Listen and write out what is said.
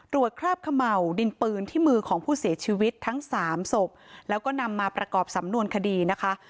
คราบเขม่าวดินปืนที่มือของผู้เสียชีวิตทั้งสามศพแล้วก็นำมาประกอบสำนวนคดีนะคะ